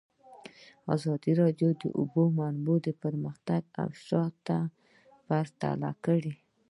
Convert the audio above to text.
ازادي راډیو د د اوبو منابع پرمختګ او شاتګ پرتله کړی.